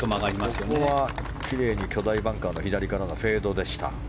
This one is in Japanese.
ここは巨大バンカーからの左からのフェードでした。